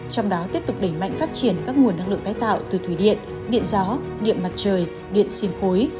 trong đó tiếp tục đẩy mạnh phát triển các nguồn năng lượng tái tạo từ thủy điện điện gió điện mặt trời điện sinh khối